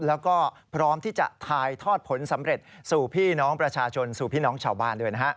แล้วก็พร้อมที่จะถ่ายทอดผลสำเร็จสู่พี่น้องประชาชนสู่พี่น้องชาวบ้านด้วยนะฮะ